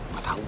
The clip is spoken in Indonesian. gak tau gue